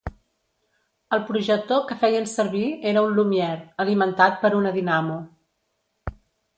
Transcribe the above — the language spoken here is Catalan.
El projector que feien servir era un Lumière, alimentat per una dinamo.